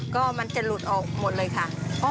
ก็มันจะหลุดออกหมดเลยค่ะ